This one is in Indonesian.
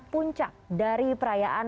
puncak dari perayaan